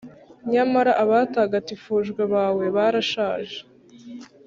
Nyamara abatagatifujwe bawe barashaje